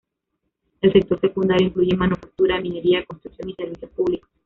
El sector secundario incluye manufactura, minería, construcción, y servicios públicos.